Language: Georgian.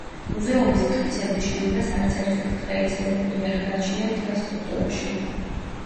მუზეუმის მტკიცებით შენობას არც ერთი ბრტყელი ზედაპირი არ გააჩნია მთელ სტრუქტურაში.